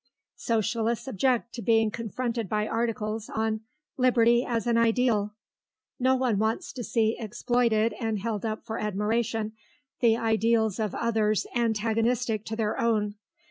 Socialists object to being confronted by articles on 'Liberty as an Ideal.' No one wants to see exploited and held up for admiration the ideals of others antagonistic to their own.